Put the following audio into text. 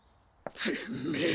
てめえ！